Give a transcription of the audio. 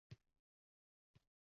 — Orzu nima, ey odam?